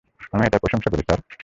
আমি এটার প্রশংসা করি, স্যার।